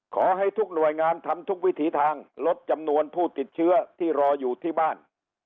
ขอให้ทุกหน่วยงานทำทุกวิถีทางลดจำนวนผู้ติดเชื้อที่รออยู่ที่บ้าน